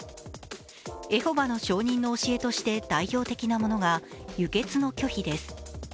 エホバの証人の教えとして代表的なものが輸血の拒否です。